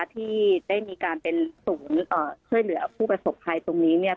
ที่ได้มีการเป็นศูนย์ช่วยเหลือผู้ประสบภัยตรงนี้เนี่ย